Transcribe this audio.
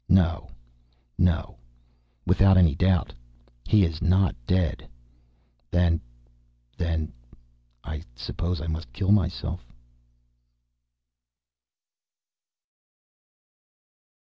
No ... no ... without any doubt ... he is not dead. Then ... then ... I suppose I must kill myself!